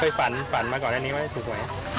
เคยฝันฝันมาก่อนแหละนี้ไหมถูกไหม